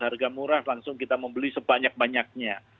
harga murah langsung kita membeli sebanyak banyaknya